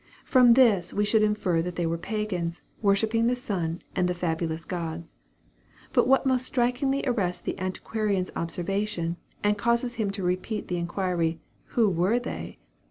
From this we should infer that they were Pagans, worshipping the sun and the fabulous gods. But what most strikingly arrests the antiquarian's observation, and causes him to repeat the inquiry, "who were they?"